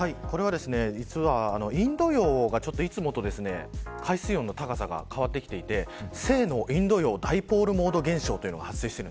インド洋が、いつもと海水温の高さが変わってきていて正のインド洋ダイポールモード現象が発生している。